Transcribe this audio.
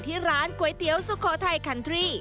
ที่ร้านก๋วยเตี๋ยวสุโขทัยคันทรี่